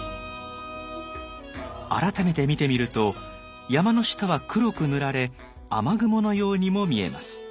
改めて見てみると山の下は黒く塗られ雨雲のようにも見えます。